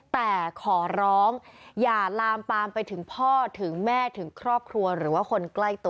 แต่ขอร้องอย่าลามปามไปถึงพ่อถึงแม่ถึงครอบครัวหรือว่าคนใกล้ตัว